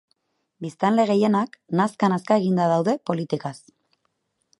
Biztanle gehienak nazka-nazka eginda daude politikaz.